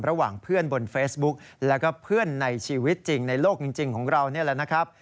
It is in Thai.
ระหว่างเพื่อนบนเฟซบุ๊คและเพื่อนในชีวิตจริงในโลกจริงของเรา